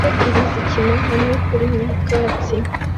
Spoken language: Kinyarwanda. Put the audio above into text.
Imbwa ebyiri zikina hamwe kuri nyakatsi